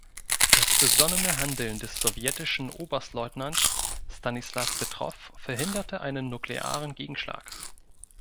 Das besonnene Handeln des sowjetischen Oberstleutnants Stanislaw Petrow verhinderte einen nuklearen Gegenschlag.